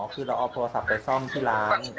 คือเราเอาโทรศัพท์ไปซ่อมที่ร้าน